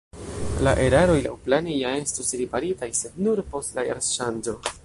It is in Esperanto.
La eraroj laŭplane ja estos riparitaj, sed nur post la jarŝanĝo.